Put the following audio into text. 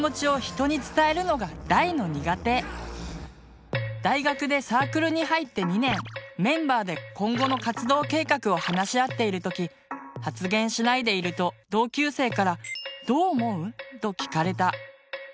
自分の大学でサークルに入って２年メンバーで今後の活動計画を話し合っている時発言しないでいると同級生から「どう思う？」と聞かれた。